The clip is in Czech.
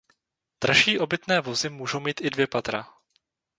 Dražší obytné vozy můžou mít i dvě patra.